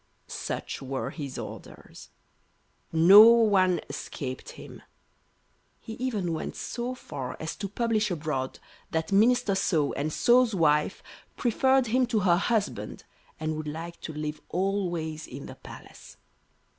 Such were his orders. No one escaped him. He even went so far as to publish abroad that Minister So and So's wife preferred him to her husband and would like to live always in the Palace.